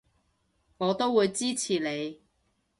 我都會支持你